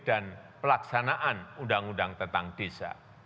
dan pelaksanaan undang undang tentang desa